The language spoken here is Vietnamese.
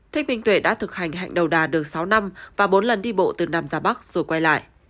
thế minh tuệ đã thực hành hạnh đầu đà được sáu năm và bốn lần đi bộ từ nam ra bắc rồi quay lại